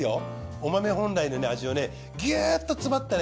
お豆本来の味をねギュッと詰まったね